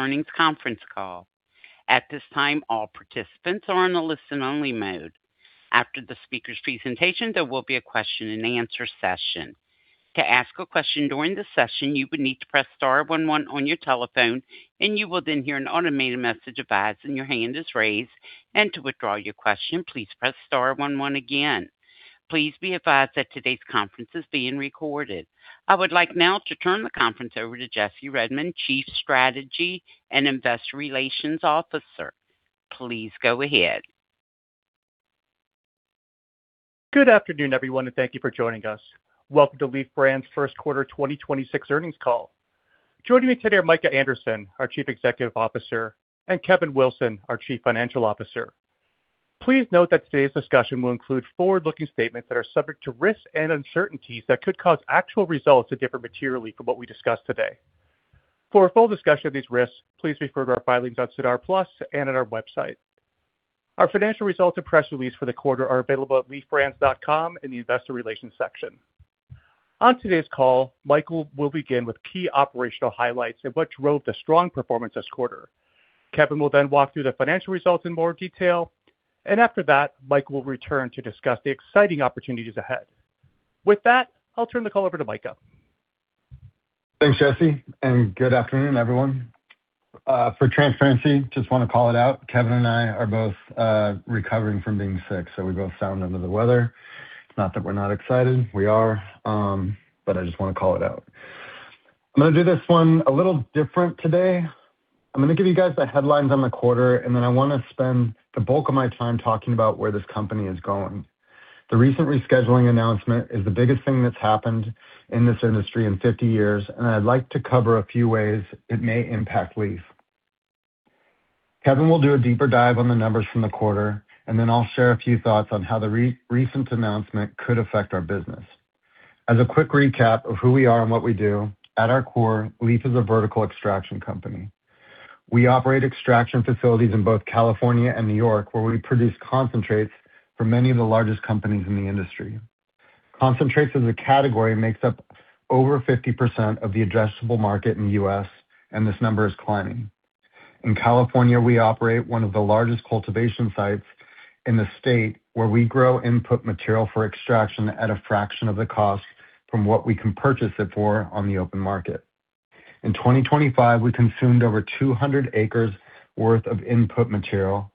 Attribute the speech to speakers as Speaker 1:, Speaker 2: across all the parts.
Speaker 1: Earnings conference call. I would like now to turn the conference over to Jesse Redmond, Chief Strategy and Investor Relations Officer. Please go ahead.
Speaker 2: Good afternoon, everyone, and thank you for joining us. Welcome to LEEF Brands' first quarter 2026 earnings call. Joining me today are Micah Anderson, our Chief Executive Officer, and Kevin Wilson, our Chief Financial Officer. Please note that today's discussion will include forward-looking statements that are subject to risks and uncertainties that could cause actual results to differ materially from what we discuss today. For a full discussion of these risks, please refer to our filings on SEDAR and at our website. Our financial results and press release for the quarter are available at LeefBrands.com in the one investor relations section. On today's call, Micah will begin with key operational highlights and what drove the strong performance this quarter. Kevin will then walk through the financial results in more detail. After that, Micah will return to discuss the exciting opportunities ahead. With that, I'll turn the call over to Micah.
Speaker 3: Thanks, Jesse, and good afternoon, everyone. For transparency, just wanna call it out. Kevin and I are both recovering from being sick, so we both sound under the weather. It's not that we're not excited. We are, but I just wanna call it out. I'm gonna do this one a little different today. I'm gonna give you guys the headlines on the quarter. Then I wanna spend the bulk of my time talking about where this company is going. The recent rescheduling announcement is the biggest thing that's happened in this industry in 50 years. I'd like to cover a few ways it may impact LEEF. Kevin will do a deeper dive on the numbers from the quarter. Then I'll share a few thoughts on how the recent announcement could affect our business. As a quick recap of who we are and what we do, at our core, LEEF is a vertical extraction company. We operate extraction facilities in both California and New York, where we produce concentrates for many of the largest companies in the industry. Concentrates as a category makes up over 50% of the addressable market in the U.S., and this number is climbing. In California, we operate one of the largest cultivation sites in the state where we grow input material for extraction at a fraction of the cost from what we can purchase it for on the open market. In 2025, we consumed over 200 acres worth of input material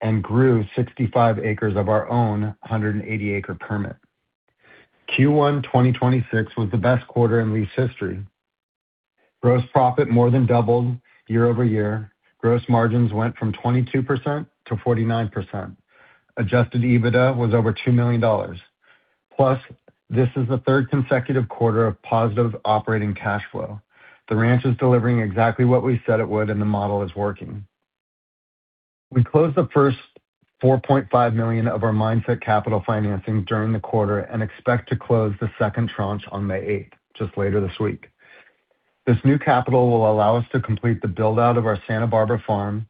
Speaker 3: and grew 65 acres of our own 180 acre permit. Q1 2026 was the best quarter in LEEF's history. Gross profit more than doubled year-over-year. Gross margins went from 22% to 49%. Adjusted EBITDA was over $2 million. This is the third consecutive quarter of positive operating cash flow. The ranch is delivering exactly what we said it would, and the model is working. We closed the first $4.5 million of our Mindset Capital financing during the quarter and expect to close the second tranche on May 8, just later this week. This new capital will allow us to complete the build-out of our Santa Barbara farm,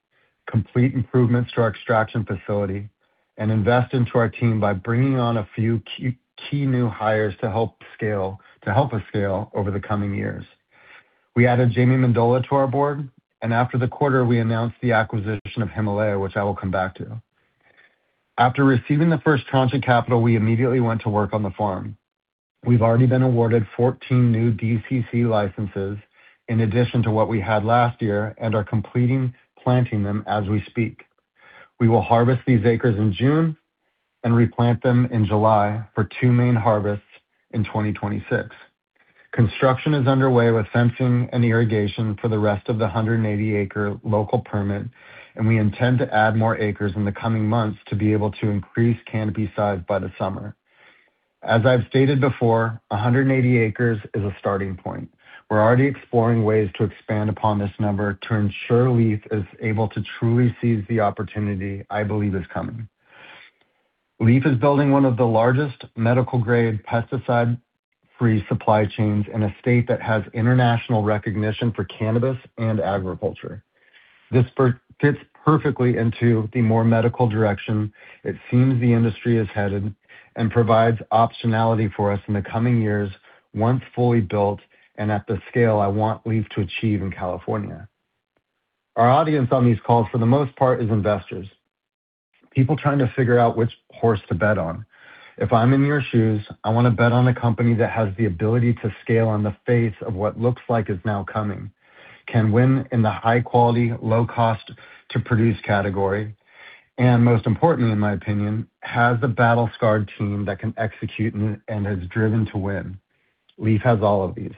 Speaker 3: complete improvements to our extraction facility, and invest into our team by bringing on a few key new hires to help us scale over the coming years. We added Jamie Mendola to our board, and after the quarter we announced the acquisition of Himalaya, which I will come back to. After receiving the first tranche of capital, we immediately went to work on the farm. We've already been awarded 14 new DCC licenses in addition to what we had last year and are completing planting them as we speak. We will harvest these acres in June and replant them in July for two main harvests in 2026. Construction is underway with fencing and irrigation for the rest of the 180 acre local permit, and we intend to add more acres in the coming months to be able to increase canopy size by the summer. As I've stated before, 180 acres is a starting point. We're already exploring ways to expand upon this number to ensure LEEF is able to truly seize the opportunity I believe is coming. LEEF is building one of the largest medical-grade pesticide-free supply chains in a state that has international recognition for cannabis and agriculture. This fits perfectly into the more medical direction it seems the industry is headed and provides optionality for us in the coming years once fully built and at the scale I want LEEF to achieve in California. Our audience on these calls, for the most part, is investors. People trying to figure out which horse to bet on. If I'm in your shoes, I wanna bet on a company that has the ability to scale on the face of what looks like is now coming, can win in the high quality, low cost to produce category, and most importantly, in my opinion, has a battle-scarred team that can execute and is driven to win. LEEF has all of these.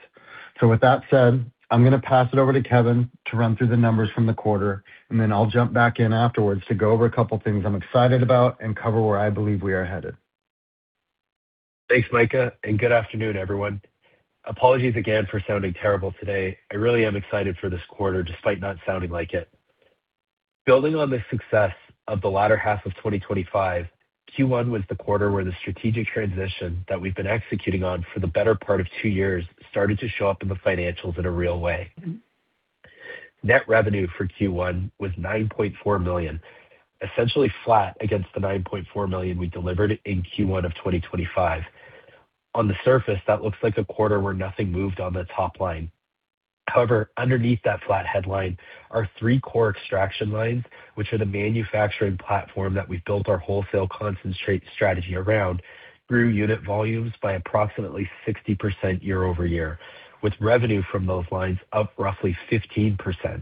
Speaker 3: With that said, I am going to pass it over to Kevin to run through the numbers from the quarter, and then I will jump back in afterwards to go over a couple things I am excited about and cover where I believe we are headed.
Speaker 4: Thanks, Micah. Good afternoon, everyone. Apologies again for sounding terrible today. I really am excited for this quarter despite not sounding like it. Building on the success of the latter half of 2025, Q1 was the quarter where the strategic transition that we've been executing on for the better part of two years started to show up in the financials in a real way. Net revenue for Q1 was $9.4 million, essentially flat against the $9.4 million we delivered in Q1 of 2025. On the surface, that looks like a quarter where nothing moved on the top line. However, underneath that flat headline, our three core extraction lines, which are the manufacturing platform that we've built our wholesale concentrate strategy around, grew unit volumes by approximately 60% year-over-year, with revenue from those lines up roughly 15%.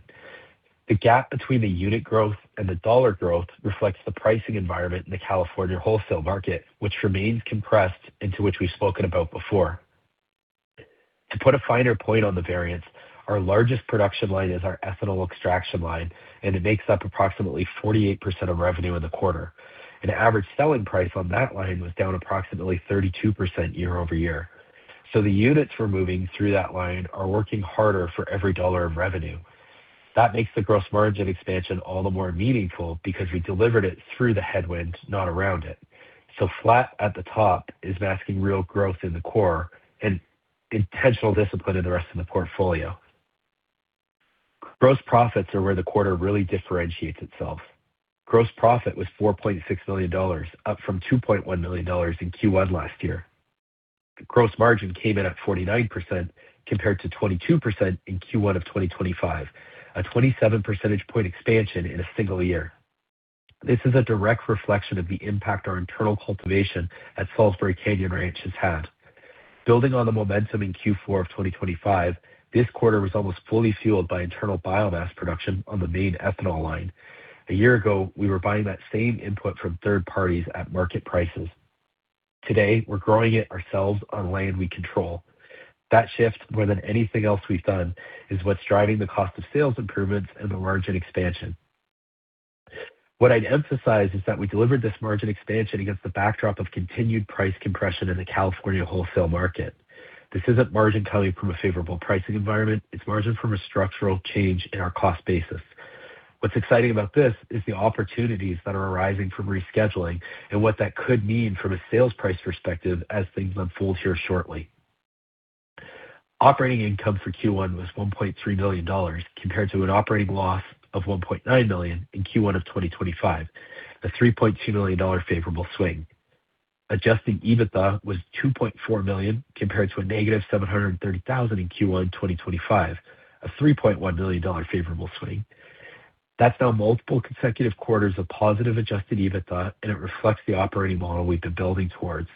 Speaker 4: The gap between the unit growth and the dollar growth reflects the pricing environment in the California wholesale market, which remains compressed into which we've spoken about before. To put a finer point on the variance, our largest production line is our ethanol extraction line, and it makes up approximately 48% of revenue in the quarter. An average selling price on that line was down approximately 32% year-over-year. The units we're moving through that line are working harder for every dollar of revenue. That makes the gross margin expansion all the more meaningful because we delivered it through the headwind, not around it. Flat at the top is masking real growth in the core and intentional discipline in the rest of the portfolio. Gross profits are where the quarter really differentiates itself. Gross profit was $4.6 million, up from $2.1 million in Q1 last year. Gross margin came in at 49% compared to 22% in Q1 of 2025, a 27 percentage point expansion in a single year. This is a direct reflection of the impact our internal cultivation at Salisbury Canyon Ranch has had. Building on the momentum in Q4 of 2025, this quarter was almost fully fueled by internal biomass production on the main ethanol line. A year ago, we were buying that same input from third parties at market prices. Today, we're growing it ourselves on land we control. That shift, more than anything else we've done, is what's driving the cost of sales improvements and the margin expansion. What I'd emphasize is that we delivered this margin expansion against the backdrop of continued price compression in the California wholesale market. This isn't margin coming from a favorable pricing environment. It's margin from a structural change in our cost basis. What's exciting about this is the opportunities that are arising from rescheduling and what that could mean from a sales price perspective as things unfold here shortly. Operating income for Q1 was $1.3 million compared to an operating loss of $1.9 million in Q1 of 2025, a $3.2 million favorable swing. Adjusted EBITDA was $2.4 million compared to a negative $730,000 in Q1 2025, a $3.1 million favorable swing. That's now multiple consecutive quarters of positive Adjusted EBITDA, and it reflects the operating model we've been building towards.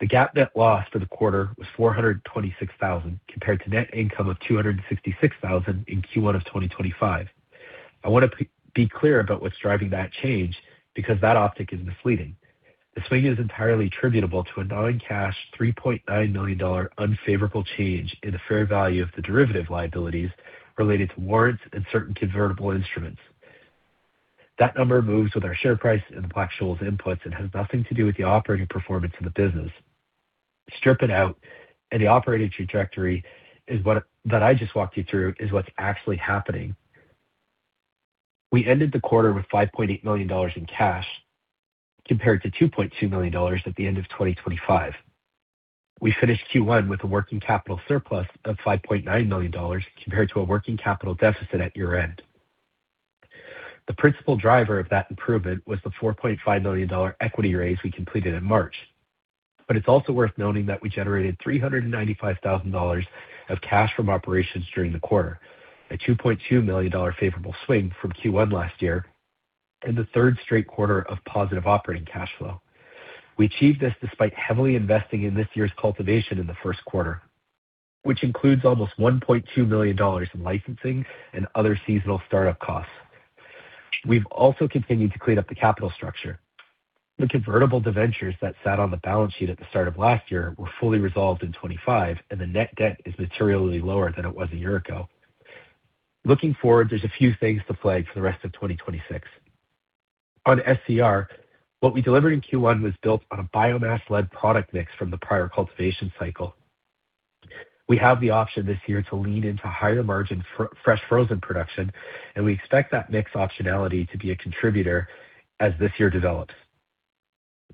Speaker 4: The GAAP net loss for the quarter was $426,000 compared to net income of $266,000 in Q1 of 2025. I want to be clear about what's driving that change because that optic is misleading. The swing is entirely attributable to a non-cash $3.9 million unfavorable change in the fair value of the derivative liabilities related to warrants and certain convertible instruments. That number moves with our share price and the Black-Scholes inputs and has nothing to do with the operating performance of the business. Strip it out, the operating trajectory is what, that I just walked you through is what's actually happening. We ended the quarter with $5.8 million in cash compared to $2.2 million at the end of 2025. We finished Q1 with a working capital surplus of $5.9 million compared to a working capital deficit at year-end. The principal driver of that improvement was the $4.5 million equity raise we completed in March. It's also worth noting that we generated $395,000 of cash from operations during the quarter, a $2.2 million favorable swing from Q1 last year and the third straight quarter of positive operating cash flow. We achieved this despite heavily investing in this year's cultivation in the first quarter, which includes almost $1.2 million in licensing and other seasonal startup costs. We've also continued to clean up the capital structure. The convertible debentures that sat on the balance sheet at the start of last year were fully resolved in 2025. The net debt is materially lower than it was a year ago. Looking forward, there's a few things to flag for the rest of 2026. On Salisbury Canyon Ranch, what we delivered in Q1 was built on a biomass-led product mix from the prior cultivation cycle. We have the option this year to lean into higher-margin fresh frozen production. We expect that mix optionality to be a contributor as this year develops.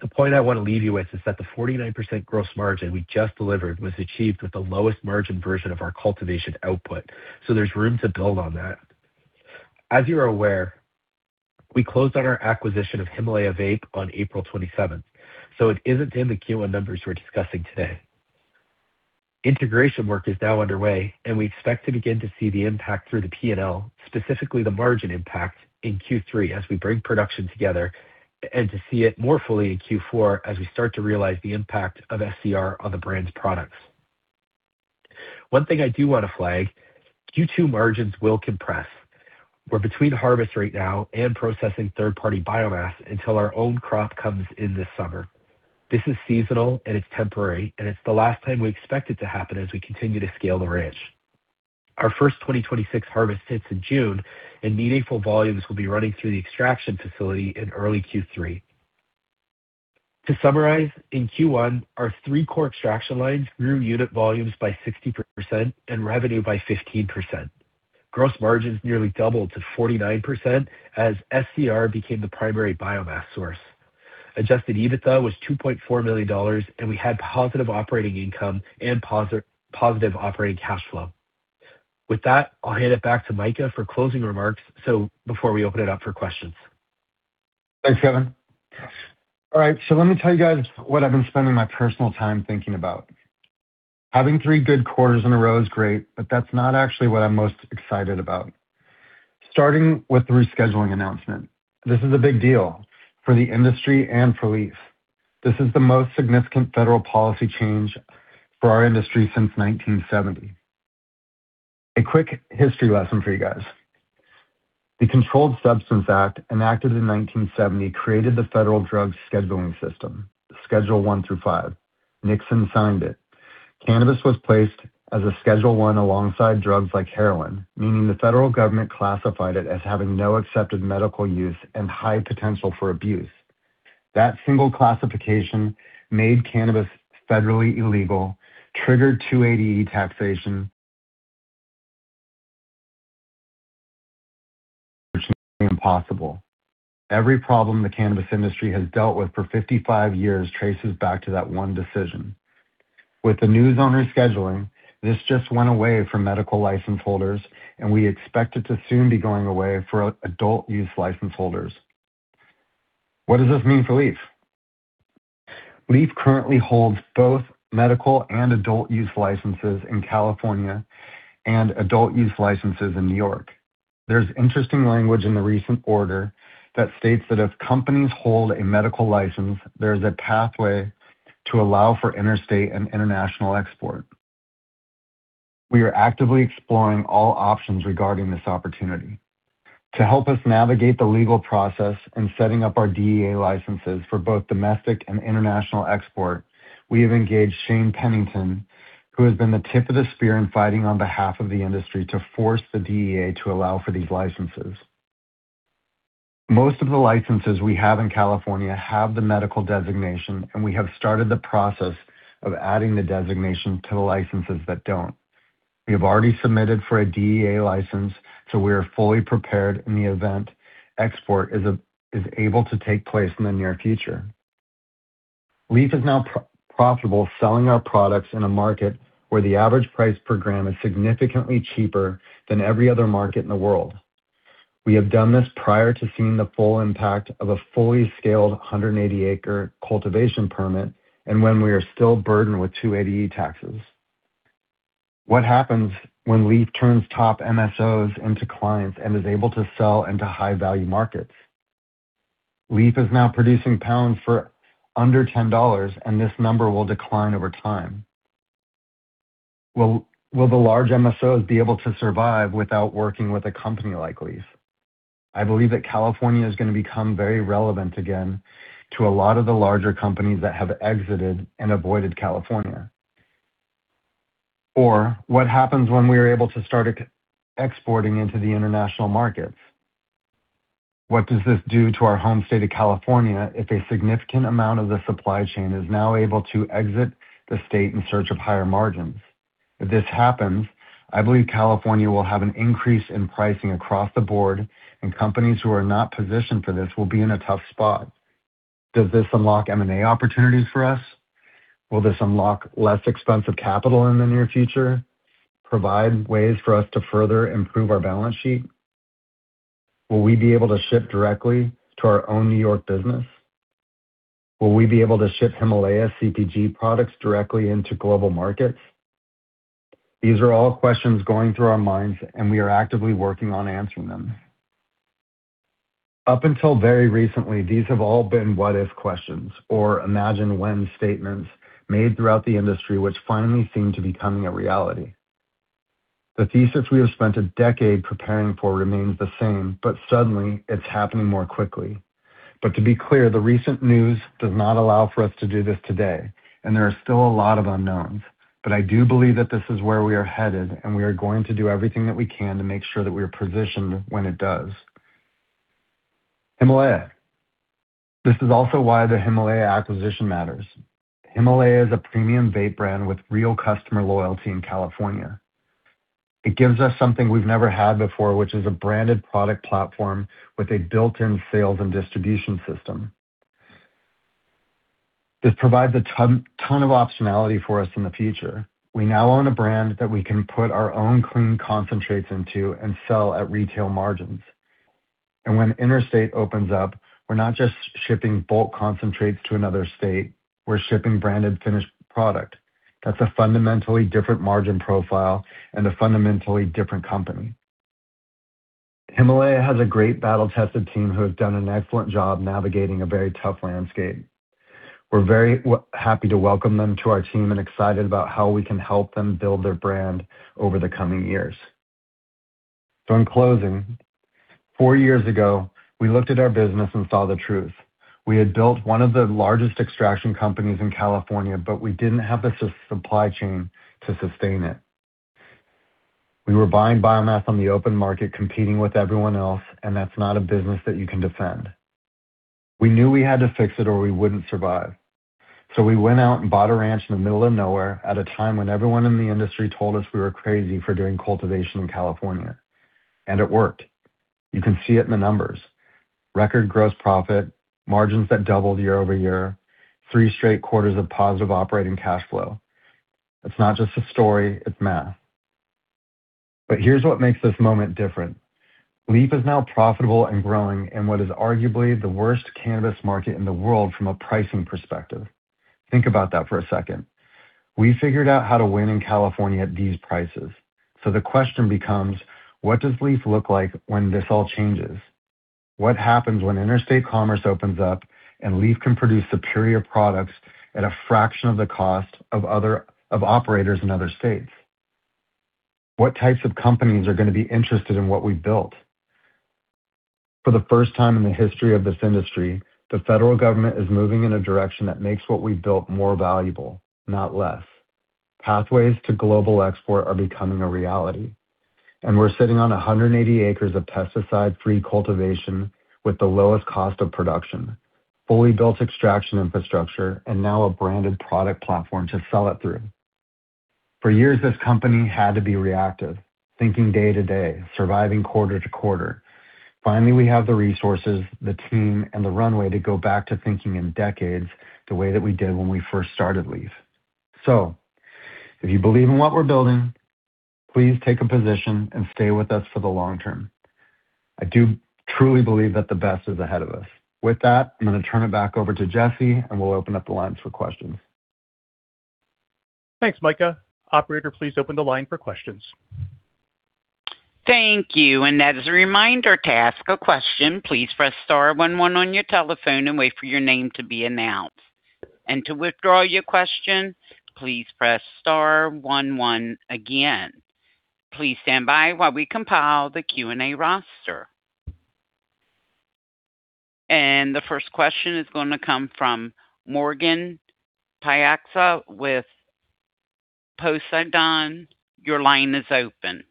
Speaker 4: The point I want to leave you with is that the 49% gross margin we just delivered was achieved with the lowest-margin version of our cultivation output, there's room to build on that. As you are aware, we closed on our acquisition of Himalaya Vapor on April 27th, it isn't in the Q1 numbers we're discussing today. Integration work is now underway, we expect to begin to see the impact through the P&L, specifically the margin impact, in Q3 as we bring production together, and to see it more fully in Q4 as we start to realize the impact of SCR on the brand's products. One thing I do want to flag, Q2 margins will compress. We're between harvest right now and processing third-party biomass until our own crop comes in this summer. This is seasonal, and it's temporary, and it's the last time we expect it to happen as we continue to scale the ranch. Our first 2026 harvest hits in June, and meaningful volumes will be running through the extraction facility in early Q3. To summarize, in Q1, our three core extraction lines grew unit volumes by 60% and revenue by 15%. Gross margins nearly doubled to 49% as SCR became the primary biomass source. Adjusted EBITDA was $2.4 million, and we had positive operating income and positive operating cash flow. With that, I'll hand it back to Micah for closing remarks. Before we open it up for questions.
Speaker 3: Thanks, Kevin. All right, let me tell you guys what I've been spending my personal time thinking about. Having three good quarters in a row is great, that's not actually what I'm most excited about. Starting with the rescheduling announcement, this is a big deal for the industry and for LEEF. This is the most significant federal policy change for our industry since 1970. A quick history lesson for you guys. The Controlled Substances Act, enacted in 1970, created the Federal Drug Scheduling System, Schedule I through five. Nixon signed it. Cannabis was placed as a Schedule I alongside drugs like heroin, meaning the federal government classified it as having no accepted medical use and high potential for abuse. That single classification made cannabis federally illegal, triggered 280E taxation, which made impossible. Every problem the cannabis industry has dealt with for 55 years traces back to that one decision. With the news on rescheduling, this just went away for medical license holders, and we expect it to soon be going away for adult use license holders. What does this mean for LEEF? LEEF currently holds both medical and adult use licenses in California and adult use licenses in New York. There's interesting language in the recent order that states that if companies hold a medical license, there's a pathway to allow for interstate and international export. We are actively exploring all options regarding this opportunity. To help us navigate the legal process in setting up our DEA licenses for both domestic and international export, we have engaged Shane Pennington, who has been the tip of the spear in fighting on behalf of the industry to force the DEA to allow for these licenses. We have started the process of adding the medical designation to most of the licenses we have in California that don't have it. We have already submitted for a DEA license, we are fully prepared in the event export is able to take place in the near future. LEEF is now profitable selling our products in a market where the average price per gram is significantly cheaper than every other market in the world. We have done this prior to seeing the full impact of a fully scaled 180 acre cultivation permit and when we are still burdened with 280E taxes. What happens when LEEF turns top Multi-State Operator into clients and is able to sell into high-value markets? LEEF is now producing pounds for under $10, and this number will decline over time. Will the large MSOs be able to survive without working with a company like LEEF? I believe that California is gonna become very relevant again to a lot of the larger companies that have exited and avoided California. What happens when we are able to start exporting into the international markets? What does this do to our home state of California if a significant amount of the supply chain is now able to exit the state in search of higher margins? If this happens, I believe California will have an increase in pricing across the board. Companies who are not positioned for this will be in a tough spot. Does this unlock M&A opportunities for us? Will this unlock less expensive capital in the near future, provide ways for us to further improve our balance sheet? Will we be able to ship directly to our own New York business? Will we be able to ship Himalaya Consumer Packaged Goods products directly into global markets? These are all questions going through our minds. We are actively working on answering them. Up until very recently, these have all been what if questions or imagine when statements made throughout the industry, which finally seem to be coming a reality. The thesis we have spent a decade preparing for remains the same. Suddenly it's happening more quickly. To be clear, the recent news does not allow for us to do this today, and there are still a lot of unknowns. I do believe that this is where we are headed, and we are going to do everything that we can to make sure that we are positioned when it does. Himalaya. This is also why the Himalaya acquisition matters. Himalaya is a premium vape brand with real customer loyalty in California. It gives us something we've never had before, which is a branded product platform with a built-in sales and distribution system. This provides a ton of optionality for us in the future. We now own a brand that we can put our own clean concentrates into and sell at retail margins. When interstate opens up, we're not just shipping bulk concentrates to another state, we're shipping branded finished product. That's a fundamentally different margin profile and a fundamentally different company. Himalaya has a great battle-tested team who have done an excellent job navigating a very tough landscape. We're very happy to welcome them to our team and excited about how we can help them build their brand over the coming years. In closing, four years ago, we looked at our business and saw the truth. We had built one of the largest extraction companies in California, but we didn't have the supply chain to sustain it. We were buying biomass on the open market, competing with everyone else, and that's not a business that you can defend. We knew we had to fix it or we wouldn't survive. We went out and bought a ranch in the middle of nowhere at a time when everyone in the industry told us we were crazy for doing cultivation in California, and it worked. You can see it in the numbers. Record gross profit, margins that doubled year-over-year, three straight quarters of positive operating cash flow. It's not just a story, it's math. Here's what makes this moment different. LEEF is now profitable and growing in what is arguably the worst cannabis market in the world from a pricing perspective. Think about that for a second. We figured out how to win in California at these prices. The question becomes, what does LEEF look like when this all changes? What happens when interstate commerce opens up, and LEEF can produce superior products at a fraction of the cost of operators in other states? What types of companies are gonna be interested in what we've built? For the first time in the history of this industry, the federal government is moving in a direction that makes what we've built more valuable, not less. Pathways to global export are becoming a reality, and we're sitting on 180 acres of pesticide-free cultivation with the lowest cost of production, fully built extraction infrastructure, and now a branded product platform to sell it through. For years, this company had to be reactive, thinking day to day, surviving quarter to quarter. Finally, we have the resources, the team, and the runway to go back to thinking in decades the way that we did when we first started LEEF. If you believe in what we're building, please take a position and stay with us for the long term. I do truly believe that the best is ahead of us. With that, I'm gonna turn it back over to Jesse, and we'll open up the lines for questions.
Speaker 2: Thanks, Micah. Operator, please open the line for questions.
Speaker 1: Thank you. As a reminder, to ask a question, please press star 11 on your telephone and wait for your name to be announced. To withdraw your question, please press star one one again. Please stand by while we compile the Q&A roster. The first question is gonna come from Morgan Paxhia with Poseidon. Your line is open.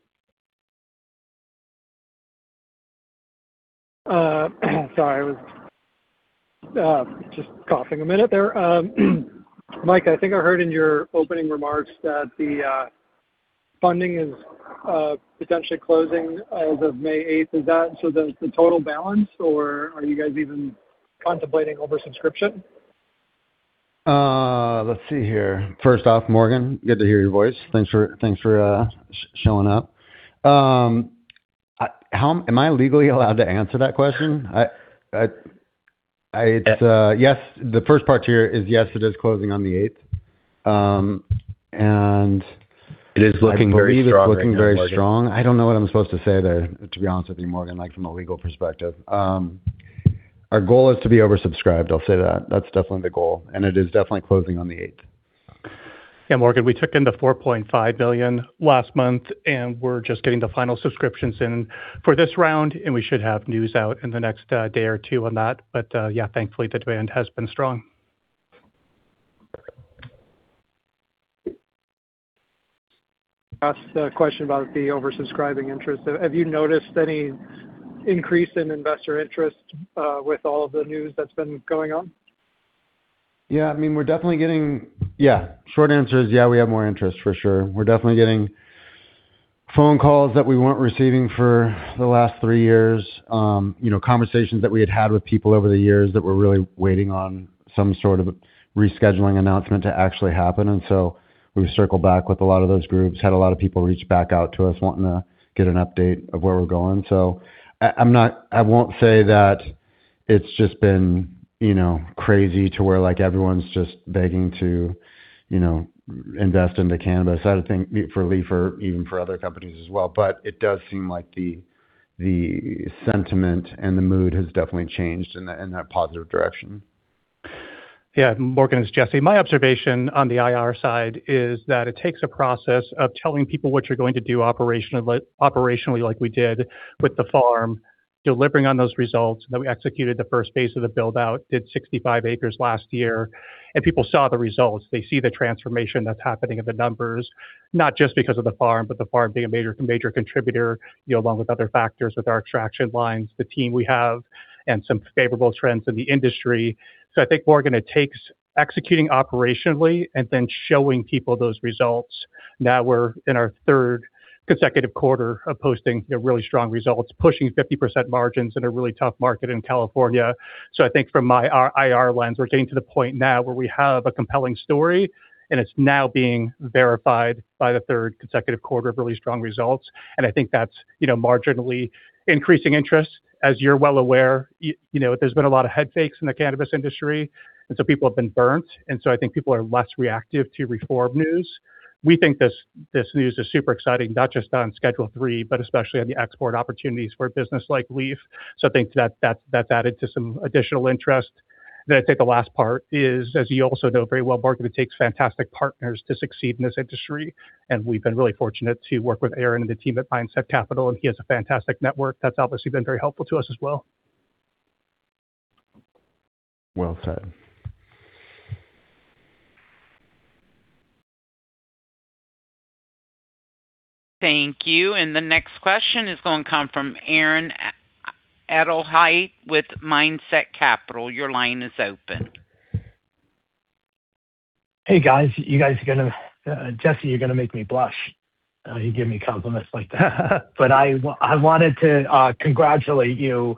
Speaker 5: Sorry, I was just coughing a minute there. Micah, I think I heard in your opening remarks that the funding is potentially closing as of May 8th. Is that so the total balance, or are you guys even contemplating over-subscription?
Speaker 3: Let's see here. First off, Morgan, good to hear your voice. Thanks for showing up. How am I legally allowed to answer that question?
Speaker 5: Yes.
Speaker 3: It's yes. The first part to hear is, yes, it is closing on the 8th. It is looking very strong. I believe it's looking very strong. I don't know what I'm supposed to say there, to be honest with you, Morgan, like, from a legal perspective. Our goal is to be oversubscribed. I'll say that. That's definitely the goal. It is definitely closing on the 8th.
Speaker 2: Yeah. Morgan, we took in $4.5 billion last month, and we're just getting the final subscriptions in for this round, and we should have news out in the next day or two on that. Yeah, thankfully, the demand has been strong.
Speaker 5: Ask the question about the oversubscribing interest. Have you noticed any increase in investor interest, with all of the news that's been going on?
Speaker 3: Yeah, I mean, we're definitely getting. Yeah. Short answer is yeah, we have more interest for sure. We're definitely getting phone calls that we weren't receiving for the last three years. You know, conversations that we had had with people over the years that were really waiting on some sort of rescheduling announcement to actually happen. We circled back with a lot of those groups, had a lot of people reach back out to us wanting to get an update of where we're going. I'm not. I won't say that it's just been, you know, crazy to where, like, everyone's just begging to, you know, invest into cannabis. I would think for LEEF or even for other companies as well. It does seem like the sentiment and the mood has definitely changed in that, in that positive direction.
Speaker 2: Morgan, it's Jesse. My observation on the IR side is that it takes a process of telling people what you're going to do operationally like we did with the farm, delivering on those results that we executed the first phase of the build-out, did 65 acres last year, and people saw the results. They see the transformation that's happening in the numbers, not just because of the farm, but the farm being a major contributor, you know, along with other factors with our extraction lines, the team we have, and some favorable trends in the industry. I think, Morgan, it takes executing operationally and then showing people those results. Now we're in our third consecutive quarter of posting, you know, really strong results, pushing 50% margins in a really tough market in California. I think from our IR lens, we're getting to the point now where we have a compelling story, and it's now being verified by the third consecutive quarter of really strong results. I think that's, you know, marginally increasing interest. As you're well aware, you know, there's been a lot of head fakes in the cannabis industry, people have been burnt. I think people are less reactive to reform news. We think this news is super exciting, not just on Schedule III, but especially on the export opportunities for a business like LEEF. I think that added to some additional interest. I think the last part is, as you also know very well, Morgan, it takes fantastic partners to succeed in this industry. We've been really fortunate to work with Aaron and the team at Mindset Capital. He has a fantastic network. That's obviously been very helpful to us as well.
Speaker 3: Well said.
Speaker 1: Thank you. The next question is gonna come from Aaron Edelheit with Mindset Capital. Your line is open.
Speaker 6: Hey, guys. Jesse, you're gonna make me blush. You give me compliments like that. I wanted to congratulate you.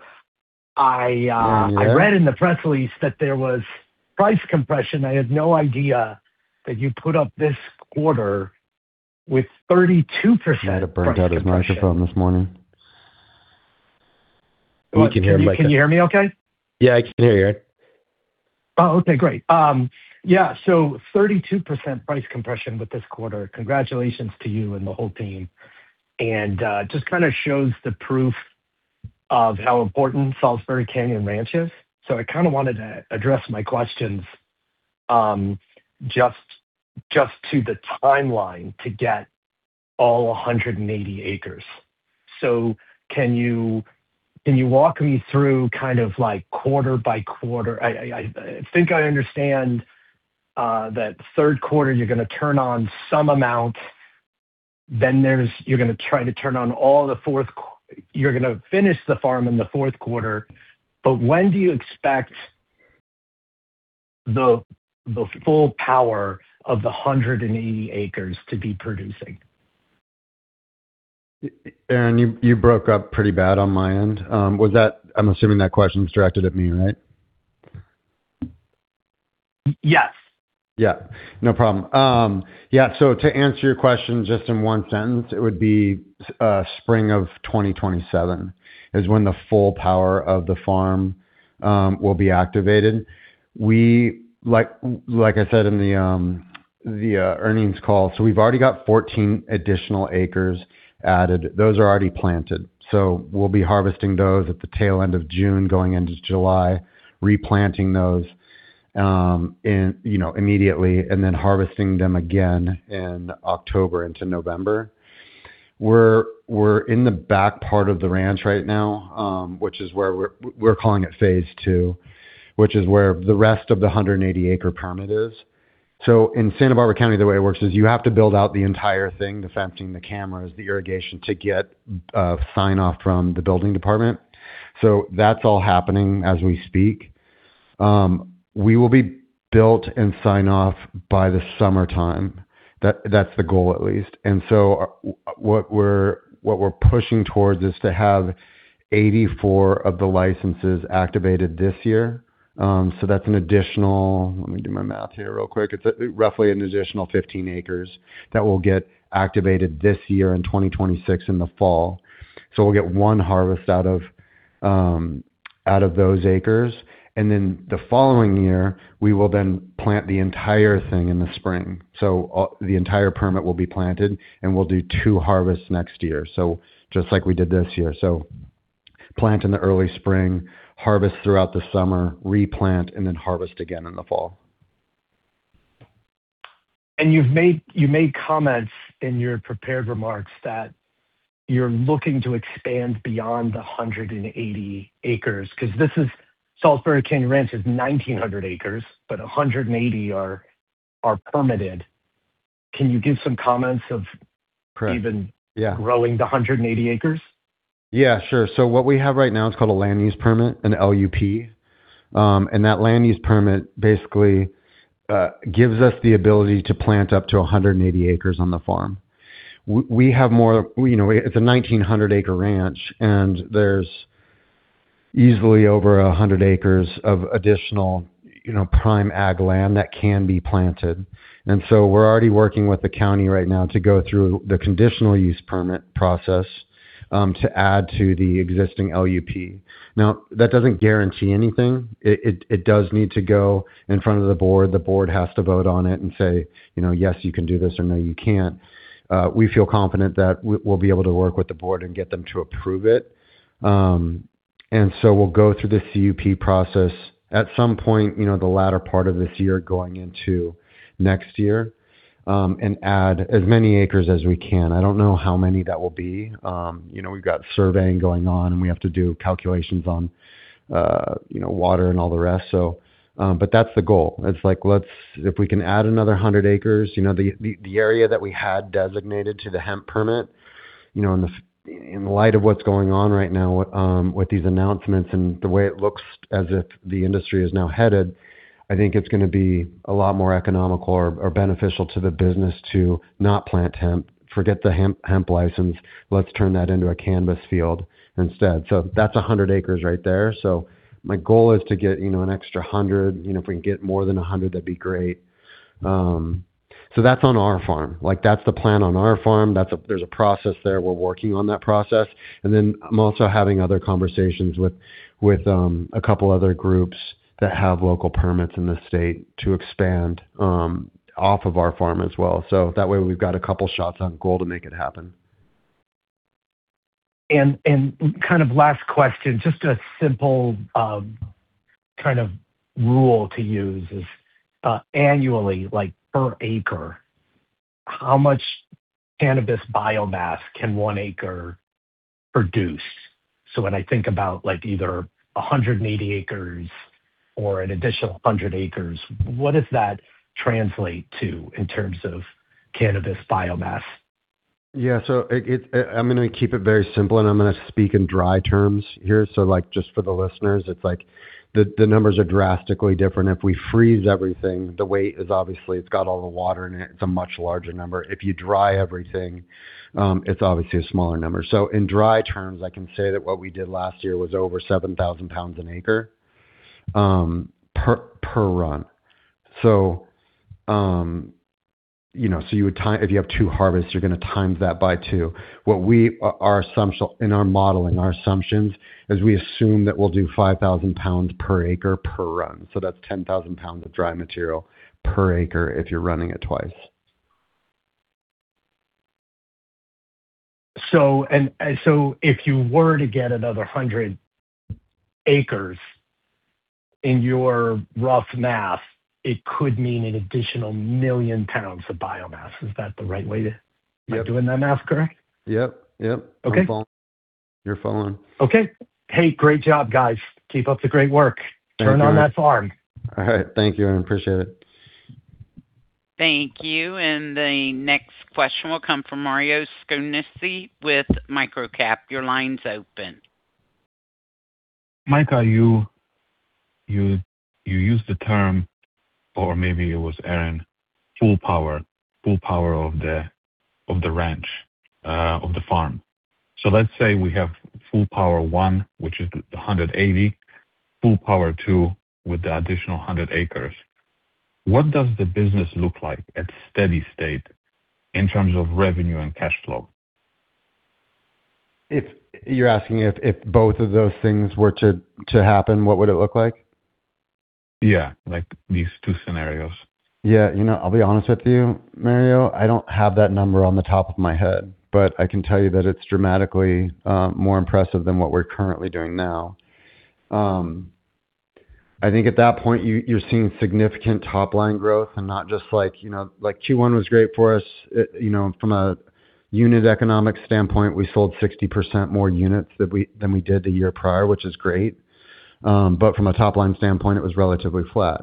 Speaker 6: I read in the press release that there was price compression. I had no idea that you put up this quarter with 32% price compression.
Speaker 3: had burned out his microphone this morning. We can hear him like that.
Speaker 6: Can you hear me okay?
Speaker 3: Yeah, I can hear you.
Speaker 6: Okay. Great. 32% price compression with this quarter. Congratulations to you and the whole team. Just kind of shows the proof of how important Salisbury Canyon Ranch is. I kind of wanted to address my questions, just to the timeline to get all 180 acres. Can you walk me through kind of quarter by quarter? I think I understand that 3rd quarter you're going to turn on some amount, then there's You're going to try to turn on all the 4th quarter. You're going to finish the farm in the 4th quarter. When do you expect the full power of the 180 acres to be producing?
Speaker 3: Aaron, you broke up pretty bad on my end. I'm assuming that question's directed at me, right?
Speaker 6: Yes.
Speaker 3: Yeah. No problem. To answer your question just in one sentence, it would be spring of 2027 is when the full power of the farm will be activated. We, like I said in the earnings call, we've already got 14 additional acres added. Those are already planted. We'll be harvesting those at the tail end of June, going into July, replanting those, in, you know, immediately, and then harvesting them again in October into November. We're in the back part of the ranch right now, which is where we're calling it phase 2, which is where the rest of the 180 acre permit is. In Santa Barbara County, the way it works is you have to build out the entire thing, the fencing, the cameras, the irrigation, to get sign-off from the building department. That's all happening as we speak. We will be built and sign off by the summertime. That's the goal at least. What we're pushing towards is to have 84 of the licenses activated this year. That's an additional Let me do my math here real quick. It's roughly an additional 15 acres that will get activated this year in 2026 in the fall. We'll get 1 harvest out of those acres. The following year, we will then plant the entire thing in the spring. The entire permit will be planted, and we'll do two harvests next year, so just like we did this year. Plant in the early spring, harvest throughout the summer, replant, and then harvest again in the fall.
Speaker 6: You've made comments in your prepared remarks that you're looking to expand beyond the 180 acres. Salisbury Canyon Ranch is 1,900 acres, but 180 are permitted. Can you give some comments?
Speaker 3: Correct. Yeah.
Speaker 6: Even growing the 180 acres?
Speaker 3: Yeah, sure. What we have right now, it's called a land use permit, an Land Use Permit. That land use permit basically gives us the ability to plant up to 180 acres on the farm. We, you know, it's a 1,900 acre ranch, there's easily over 100 acres of additional, you know, prime ag land that can be planted. We're already working with the county right now to go through the conditional use permit process to add to the existing LUP. Now, that doesn't guarantee anything. It does need to go in front of the board. The board has to vote on it and say, you know, "Yes, you can do this," or, "No, you can't." We feel confident that we'll be able to work with the board and get them to approve it. We'll go through the Conditional Use Permit process at some point, you know, the latter part of this year, going into next year, and add as many acres as we can. I don't know how many that will be. You know, we've got surveying going on, and we have to do calculations on, you know, water and all the rest. That's the goal. It's like, let's If we can add another 100 acres, you know, the area that we had designated to the hemp permit, you know, in light of what's going on right now, with these announcements and the way it looks as if the industry is now headed, I think it's going to be a lot more economical or beneficial to the business to not plant hemp. Forget the hemp license. Let's turn that into a cannabis field instead. That's 100 acres right there. My goal is to get, you know, an extra 100. You know, if we can get more than 100, that would be great. That's on our farm. Like, that's the plan on our farm. There's a process there. We're working on that process. I'm also having other conversations with a couple other groups that have local permits in the state to expand, off of our farm as well. That way we've got a couple shots on goal to make it happen.
Speaker 6: Kind of last question, just a simple, kind of rule to use is, annually, like per acre, how much cannabis biomass can 1 acre produce? When I think about like either 180 acres or an additional 100 acres, what does that translate to in terms of cannabis biomass?
Speaker 3: Yeah. I'm gonna keep it very simple, and I'm gonna speak in dry terms here. Like, just for the listeners, it's like the numbers are drastically different. If we freeze everything, the weight is obviously it's got all the water in it's a much larger number. If you dry everything, it's obviously a smaller number. In dry terms, I can say that what we did last year was over 7,000 pounds an acre per run. You know, so you would if you have two harvests, you're gonna times that by two. Our assumptions in our modeling, our assumptions is we assume that we'll do 5,000 pounds per acre per run. That's 10,000 pounds of dry material per acre if you're running it twice.
Speaker 6: If you were to get another 100 acres, in your rough math, it could mean an additional 1 million pounds of biomass. Is that the right way?
Speaker 3: Yep.
Speaker 6: Am I doing that math correct?
Speaker 3: Yep.
Speaker 6: Okay.
Speaker 3: You're following.
Speaker 6: Okay. Hey, great job, guys. Keep up the great work.
Speaker 3: Thank you.
Speaker 6: Turn on that farm.
Speaker 3: All right. Thank you, Aaron. Appreciate it.
Speaker 1: Thank you. The next question will come from Mariusz Skonieczny with MicroCap. Your line's open.
Speaker 7: Micah, you used the term, or maybe it was Aaron, full power of the, of the ranch, of the farm. Let's say we have full power one, which is the 180, full power two with the additional 100 acres. What does the business look like at steady state in terms of revenue and cash flow?
Speaker 3: You're asking if both of those things were to happen, what would it look like?
Speaker 7: Yeah, like these two scenarios.
Speaker 3: Yeah. You know, I'll be honest with you, Mariusz, I don't have that number on the top of my head, but I can tell you that it's dramatically more impressive than what we're currently doing now. I think at that point, you're seeing significant top-line growth and not just like, you know, Q1 was great for us, you know, from a unit economic standpoint, we sold 60% more units than we did the year prior, which is great. From a top-line standpoint, it was relatively flat.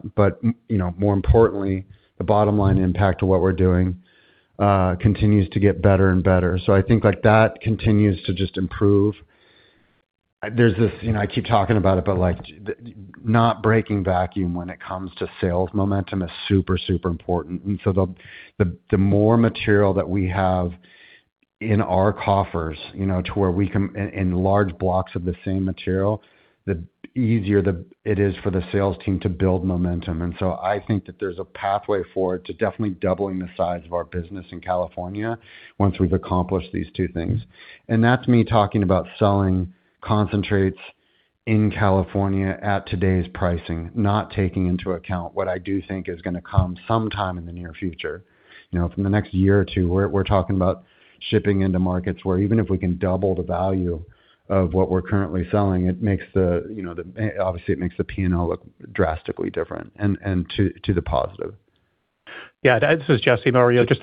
Speaker 3: More importantly, the bottom line impact of what we're doing continues to get better and better. I think, like, that continues to just improve. There's this, you know, I keep talking about it, like, not breaking vacuum when it comes to sales momentum is super important. The more material that we have in our coffers, you know, to where we can in large blocks of the same material, the easier it is for the sales team to build momentum. I think that there's a pathway for it to definitely doubling the size of our business in California once we've accomplished these two things. That's me talking about selling concentrates in California at today's pricing, not taking into account what I do think is gonna come sometime in the near future. You know, from the next year or two, we're talking about shipping into markets where even if we can double the value of what we're currently selling, it makes the, you know, obviously, it makes the P&L look drastically different and to the positive.
Speaker 2: This is Jesse, Mariusz. Just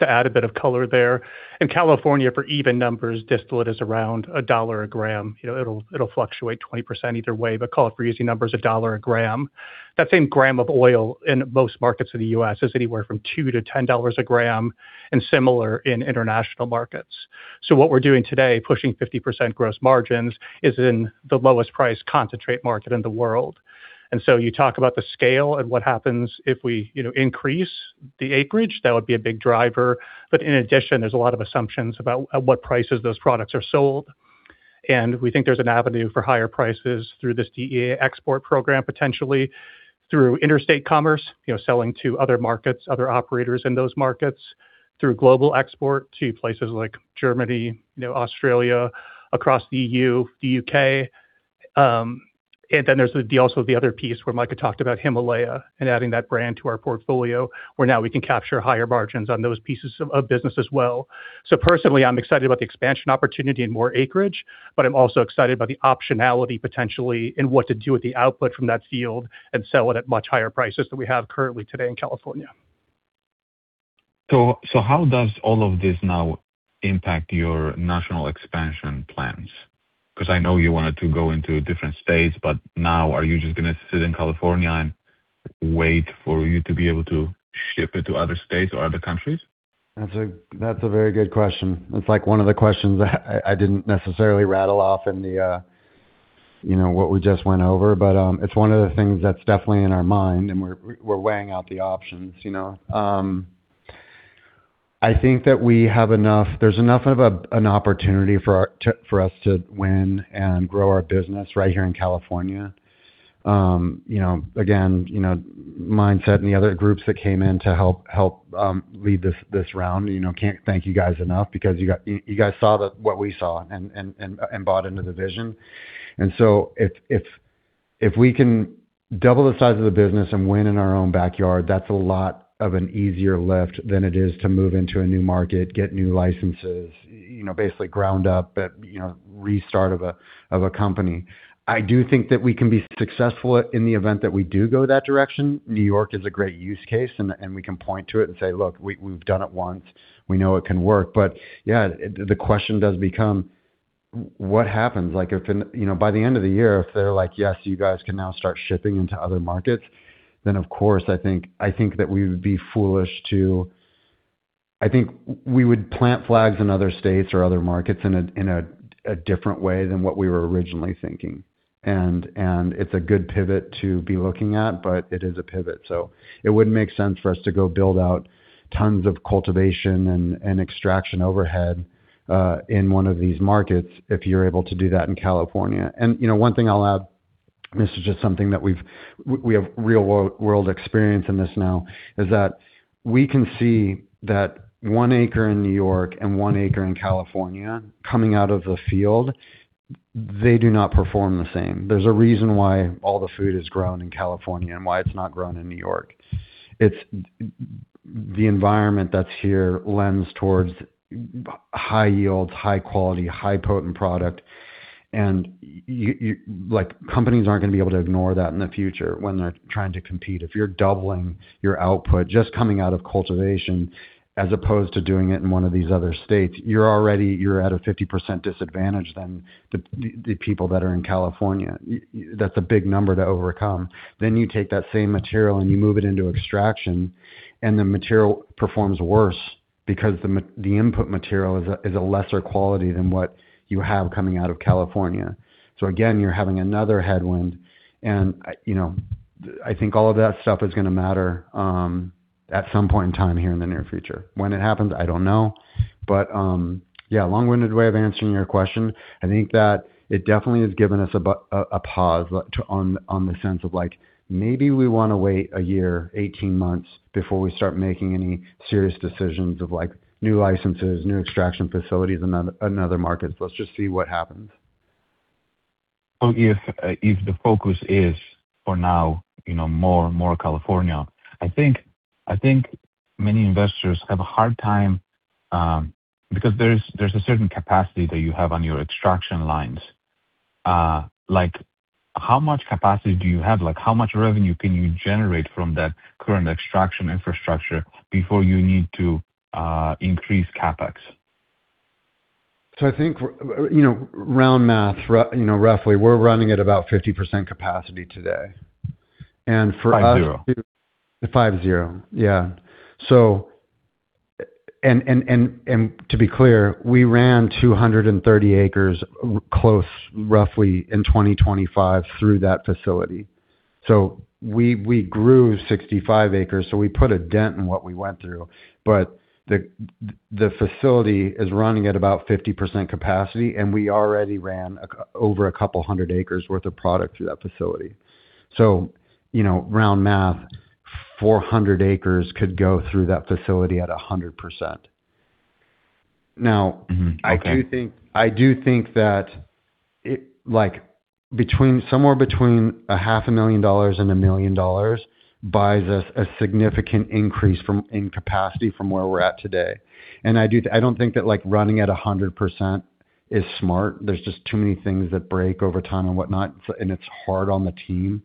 Speaker 2: to add a bit of color there. In California, for even numbers, distillate is around $1 a gram. You know, it'll fluctuate 20% either way, call it for easy numbers, $1 a gram. That same gram of oil in most markets of the U.S. is anywhere from $2-$10 a gram and similar in international markets. What we're doing today, pushing 50% gross margins, is in the lowest price concentrate market in the world. You talk about the scale and what happens if we, you know, increase the acreage, that would be a big driver. In addition, there's a lot of assumptions about at what prices those products are sold. We think there's an avenue for higher prices through this DEA export program, potentially through interstate commerce, you know, selling to other markets, other operators in those markets, through global export to places like Germany, you know, Australia, across the EU, the U.K. There's also the other piece where Micah talked about Himalaya and adding that brand to our portfolio, where now we can capture higher margins on those pieces of business as well. Personally, I'm excited about the expansion opportunity and more acreage, but I'm also excited about the optionality potentially in what to do with the output from that field and sell it at much higher prices than we have currently today in California.
Speaker 7: How does all of this now impact your national expansion plans? 'Cause I know you wanted to go into different states, but now are you just gonna sit in California and wait for you to be able to ship it to other states or other countries?
Speaker 3: That's a very good question. It's like one of the questions I didn't necessarily rattle off in the, you know, what we just went over. It's one of the things that's definitely in our mind, and we're weighing out the options, you know. I think that there's enough of an opportunity for us to win and grow our business right here in California. You know, again, you know, Mindset Capital and the other groups that came in to help lead this round, you know, can't thank you guys enough because you guys saw what we saw and bought into the vision. If we can double the size of the business and win in our own backyard, that's a lot of an easier lift than it is to move into a new market, get new licenses, you know, basically ground up, restart of a company. I do think that we can be successful in the event that we do go that direction. New York is a great use case and we can point to it and say, "Look, we've done it once. We know it can work. Yeah, the question does become what happens, like if in, you know, by the end of the year, if they're like, "Yes, you guys can now start shipping into other markets," then of course, I think that we would be foolish to I think we would plant flags in other states or other markets in a different way than what we were originally thinking. It's a good pivot to be looking at, but it is a pivot. It wouldn't make sense for us to go build out tons of cultivation and extraction overhead in one of these markets if you're able to do that in California. You know, one thing I'll add, and this is just something that we have real world experience in this now, is that we can see that one acre in New York and one acre in California coming out of the field, they do not perform the same. There's a reason why all the food is grown in California and why it's not grown in New York. It's the environment that's here lends towards high yields, high quality, high potent product. You, like, companies aren't gonna be able to ignore that in the future when they're trying to compete. If you're doubling your output just coming out of cultivation as opposed to doing it in one of these other states, you're already, you're at a 50% disadvantage than the people that are in California. That's a big number to overcome. You take that same material, and you move it into extraction, and the material performs worse because the input material is a lesser quality than what you have coming out of California. Again, you're having another headwind. You know, I think all of that stuff is gonna matter at some point in time here in the near future. When it happens, I don't know. Yeah, long-winded way of answering your question. I think that it definitely has given us a pause on the sense of like, maybe we wanna wait one year, 18 months before we start making any serious decisions of like new licenses, new extraction facilities in other markets. Let's just see what happens.
Speaker 7: If, if the focus is for now, you know, more California, I think many investors have a hard time, because there's a certain capacity that you have on your extraction lines. Like how much capacity do you have? Like how much revenue can you generate from that current extraction infrastructure before you need to increase CapEx?
Speaker 3: I think you know, round math, you know, roughly, we're running at about 50% capacity today.
Speaker 7: 50%.
Speaker 3: 50%, yeah. To be clear, we ran 230 acres close roughly in 2025 through that facility. We grew 65 acres, so we put a dent in what we went through. The facility is running at about 50% capacity, and we already ran over 200 acres worth of product through that facility. You know, round math, 400 acres could go through that facility at 100%.
Speaker 7: Okay.
Speaker 3: I do think that it, like between, somewhere between a $0.5 million and $1 million buys us a significant increase from, in capacity from where we're at today. I don't think that like running at 100% is smart. There's just too many things that break over time and whatnot, so, and it's hard on the team.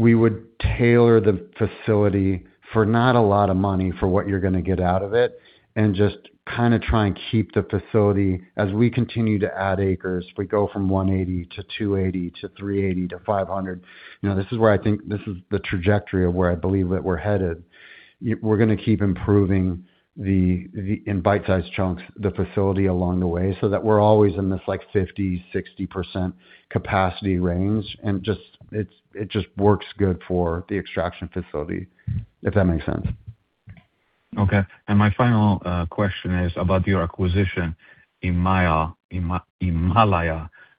Speaker 3: We would tailor the facility for not a lot of money for what you're gonna get out of it and just kinda try and keep the facility as we continue to add acres. If we go from 180 to 280 to 380 to 500, you know, this is where I think this is the trajectory of where I believe that we're headed. We're gonna keep improving the, in bite-sized chunks, the facility along the way so that we're always in this like 50%, 60% capacity range, just, it just works good for the extraction facility, if that makes sense.
Speaker 7: Okay. My final question is about your acquisition, Himalaya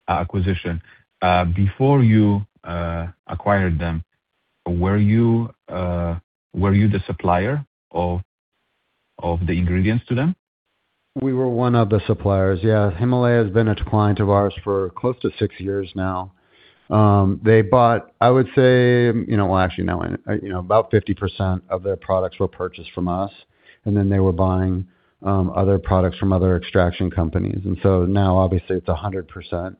Speaker 7: acquisition. Before you acquired them, were you the supplier of the ingredients to them?
Speaker 3: We were one of the suppliers. Himalaya has been a client of ours for close to six years now. They bought about 50% of their products were purchased from us, and then they were buying other products from other extraction companies. Now obviously it's 100%.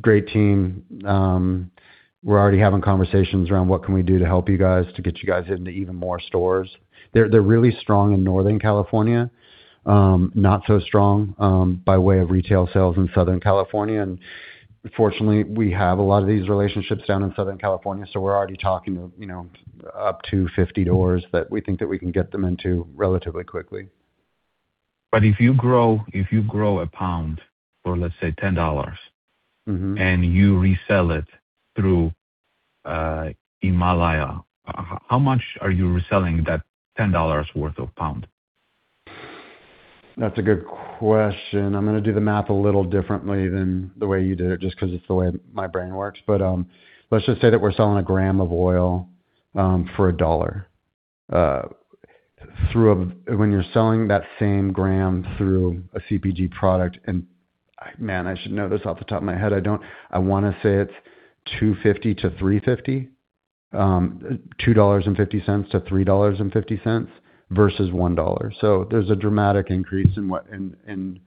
Speaker 3: Great team. We're already having conversations around what can we do to help you guys to get you guys into even more stores. They're really strong in Northern California, not so strong by way of retail sales in Southern California. Fortunately, we have a lot of these relationships down in Southern California, so we're already talking of up to 50 doors that we think that we can get them into relatively quickly.
Speaker 7: If you grow a pound for, let's say, $10. You resell it through, Himalaya, how much are you reselling that $10 worth of pound?
Speaker 3: That's a good question. I'm gonna do the math a little differently than the way you did it, just 'cause it's the way my brain works. Let's just say that we're selling a gram of oil for $1. When you're selling that same gram through a CPG product and Man, I should know this off the top of my head, I don't. I wanna say it's $2.50-$3.50, $2.50-$3.50 versus $1. There's a dramatic increase in what, in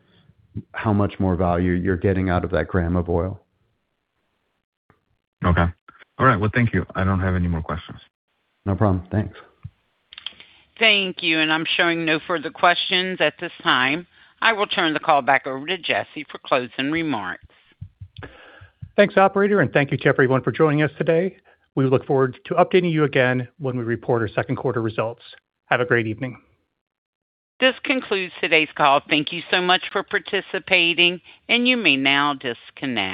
Speaker 3: how much more value you're getting out of that gram of oil.
Speaker 7: Okay. All right. Well, thank you. I don't have any more questions.
Speaker 3: No problem. Thanks.
Speaker 1: Thank you. I'm showing no further questions at this time. I will turn the call back over to Jesse for closing remarks.
Speaker 2: Thanks, operator, and thank you to everyone for joining us today. We look forward to updating you again when we report our second quarter results. Have a great evening.
Speaker 1: This concludes today's call. Thank you so much for participating, and you may now disconnect.